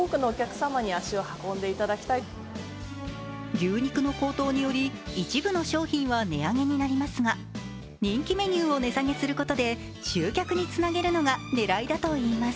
牛肉の高騰により一部の商品は値上げになりますが人気メニューを値下げすることで集客につなげることが狙いだといいます。